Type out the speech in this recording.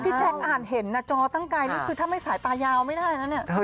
แจ๊คอ่านเห็นนะจอตั้งไกลนี่คือถ้าไม่สายตายาวไม่ได้นะเนี่ย